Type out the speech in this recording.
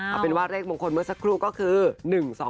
เอาเป็นว่าเลขมงคลเมื่อสักครู่ก็คือ